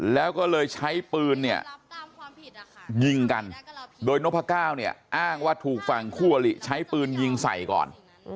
แล้วก็เลยใช้ปืนเนี่ยยิงกันโดยนพก้าวเนี่ยอ้างว่าถูกฝั่งคู่อลิใช้ปืนยิงใส่ก่อน